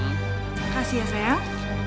makasih ya sayang